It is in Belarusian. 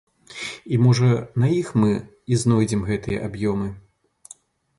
І, можа, на іх мы і знойдзем гэтыя аб'ёмы.